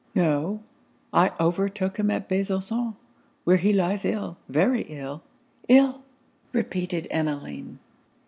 'No; I overtook him at Besançon; where he lies ill very ill!' 'Ill!' repeated Emmeline.